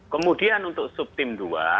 kemudian untuk subtim dua